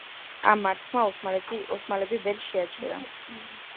ამ მარცხმა ოსმალები ვერ შეაჩერა.